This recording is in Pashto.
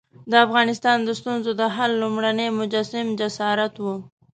د افغانستان د ستونزو د حل لومړنی مجسم جسارت وو.